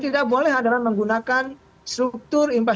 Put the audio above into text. yang tidak boleh adalah menggunakan struktur impas struktur yang lain